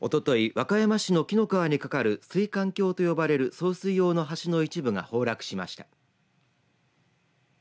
和歌山市の紀の川にかかる水管橋と呼ばれる送水用の橋の一部が崩落しました。